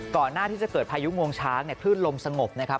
ก่อนหน้าที่จะเกิดพายุงวงช้างเนี่ยคลื่นลมสงบนะครับ